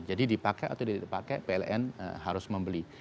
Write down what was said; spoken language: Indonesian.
jadi dipakai atau tidak dipakai pln harus membeli